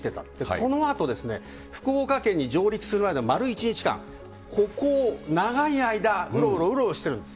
このあとですね、福岡県に上陸するまでの丸１日間、ここを長い間、うろうろうろうろしてるんです。